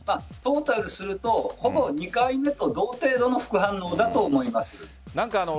トータルするとほぼ２回目と同程度の副反応だと思います。